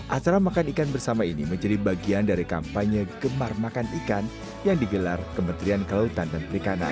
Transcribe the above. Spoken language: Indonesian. acara makan ikan bersama ini menjadi bagian dari kampanye gemar makan ikan yang digelar kementerian kelautan dan perikanan